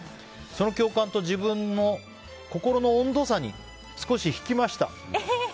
その教官と自分の心の温度差に少し引きました。